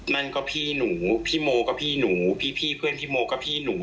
นั่นก็พี่หนูพี่โมก็พี่หนูพี่เพื่อนพี่โมก็พี่หนู